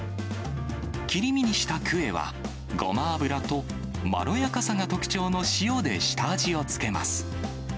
切り身にしたクエは、ごま油とまろやかさが特徴の塩で下味をつけます。